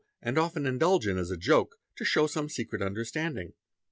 evar, | and often indulge in as a joke, to show some secret understanding.